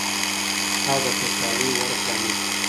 او د خوشحالۍ ور پرانیزئ.